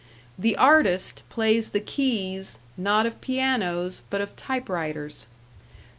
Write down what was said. The artist plays the keys, not of pianos, but of typewriters.